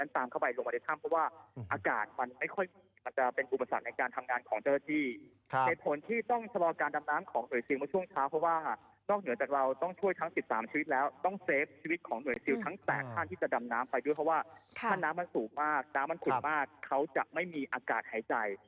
ตามชีวิตแล้วต้องเซฟชีวิตของหน่วยซิลทั้งแตกท่านที่จะดำน้ำไปด้วยเพราะว่าถ้าน้ำมันสูงมากน้ำมันขนมากเขาจะไม่มีอากาศหายใจ